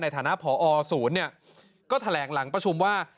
ในฐานะผศูนย์ก็แถลงหลังประชุมว่า